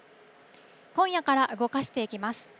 今夜から動かしていきます。